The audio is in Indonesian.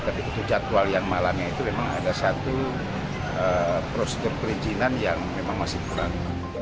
tapi untuk jadwal yang malamnya itu memang ada satu prosedur perizinan yang memang masih kurang